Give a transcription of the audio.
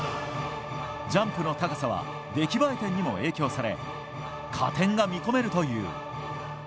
ジャンプの高さは出来栄え点にも影響され加点が見込めるという。